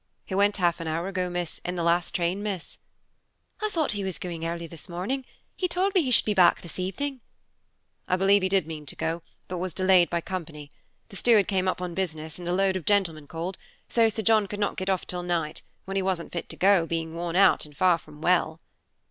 "He went half an hour ago, in the last train, miss." "I thought he was going early this morning; he told me he should be back this evening." "I believe he did mean to go, but was delayed by company. The steward came up on business, and a load of gentlemen called, so Sir John could not get off till night, when he wasn't fit to go, being worn out, and far from well."